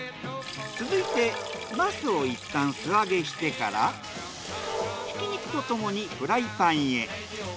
続いてナスを一旦素揚げしてからひき肉とともにフライパンへ。